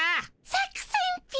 作戦っピ？